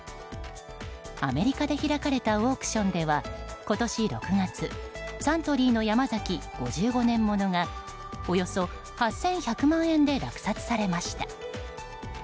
アメリカで開かれたオークションでは今年６月サントリーの山崎５５年物がおよそ８１００万円で落札されました。